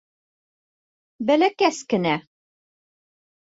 Бәләкәс кенә.